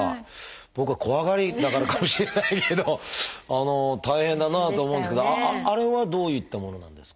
僕が怖がりだからかもしれないけど大変だなあと思うんですけどあれはどういったものなんですか？